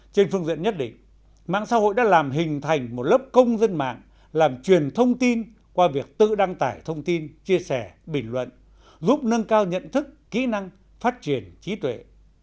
trên phương diện nhất định mạng xã hội đã làm hình thành một lớp công dân mạng làm truyền thông tin qua việc tự đăng tải thông tin chia sẻ bình luận giúp nâng cao nhận thức kỹ năng phát triển trí tuệ